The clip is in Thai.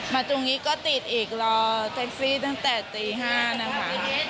มาตรงนี้ก็ตีดอีกรอแท็กซี่ตั้งแต่ตี๕นะคะยังไม่ได้รถเลยค่ะ